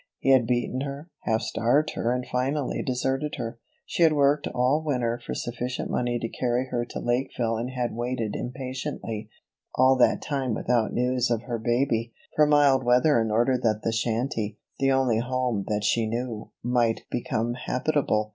He had beaten her, half starved her and finally deserted her. She had worked all winter for sufficient money to carry her to Lakeville and had waited impatiently all that time without news of her baby for mild weather in order that the shanty, the only home that she knew, might become habitable.